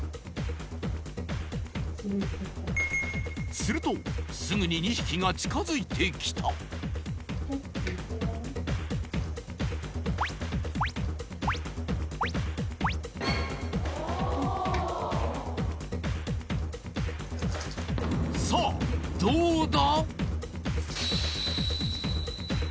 するとすぐに２匹が近づいてきたさあどうだ？